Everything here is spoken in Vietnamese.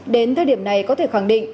đến thời điểm này có thể khẳng định